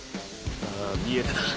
ああ見えてた。